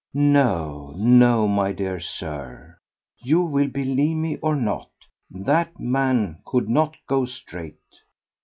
No, no, my dear Sir, you will believe me or not, that man could not go straight.